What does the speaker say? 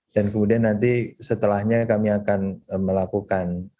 dan kemudian nanti setelahnya kami akan melakukan